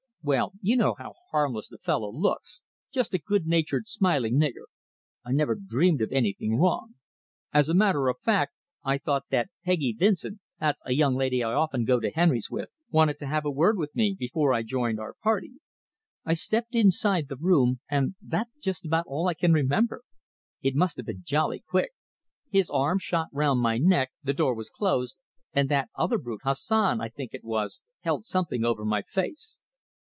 Well, you know how harmless the fellow looks just a good natured, smiling nigger. I never dreamed of anything wrong. As a matter of fact, I thought that Peggy Vincent that's a young lady I often go to Henry's with wanted to have a word with me before I joined our party. I stepped inside the room, and that's just about all I can remember. It must have been jolly quick. His arm shot round my neck, the door was closed, and that other brute Hassan, I think it was held something over my face."